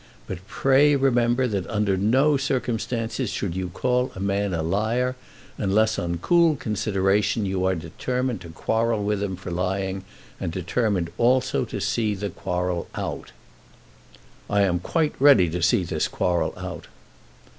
But pray remember that under no circumstances should you call a man a liar, unless on cool consideration you are determined to quarrel with him for lying, and determined also to see the quarrel out." "I am quite ready to see this quarrel out."